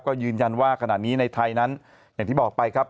ก็ยืนยันว่าขณะนี้ในไทยนั้นอย่างที่บอกไปครับ